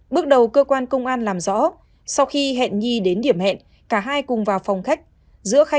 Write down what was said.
bước đầu cơ quan công an làm rõ sau khi hẹn nhi đến điểm hẹn cả hai cùng vào phòng khách giữa khai